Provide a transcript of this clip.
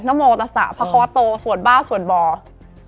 นโมตสาภาควัตโตสวดบ้าสวดบ่า